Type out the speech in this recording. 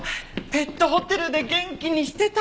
ペットホテルで元気にしてた。